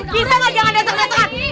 bisa gak jangan ada seng sengan